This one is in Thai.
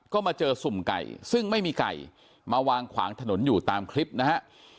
ก็มาเจอสุ่มไก่ซึ่งไม่มีไก่มาวางขวางถนนอยู่ตามคลิปนะฮะ